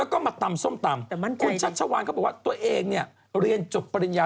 ก็ธุรกิจฟองสบู่นั่นแหละ